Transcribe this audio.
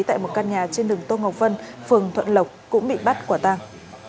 tại một căn nhà trên đường tô ngọc vân phường thuận lộc cũng bị bắt quả tang